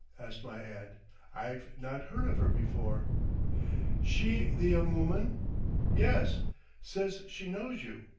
asked my aunt. "I've not heard of her before." "She the young woman?" "Yes. Says she knows you.